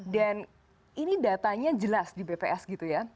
dan ini datanya jelas di bps gitu ya